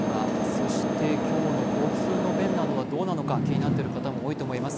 そして今日の交通の便などはどうなのか気になっている方も多いと思います。